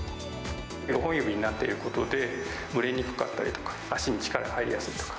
５本指になってることで、蒸れにくかったりとか、足に力が入りやすいとか。